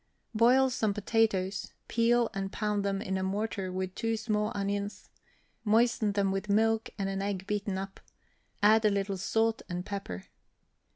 Boil some potatoes, peel, and pound them in a mortar with two small onions; moisten them with milk and an egg beaten up, add a little salt and pepper.